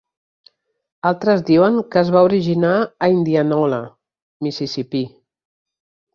Altres diuen que es va originar a Indianola, Mississipí.